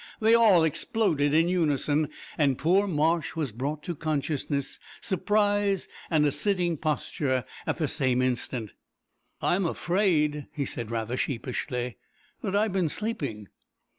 They all exploded in unison, and poor Marsh was brought to consciousness, surprise, and a sitting posture at the same instant. "I'm afraid," he said, rather sheepishly, "that I've been sleeping."